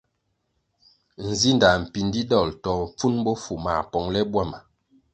Nzinda mpindi dol to pfun bofu mā pongʼle bwama.